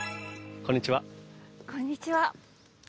こんにちは。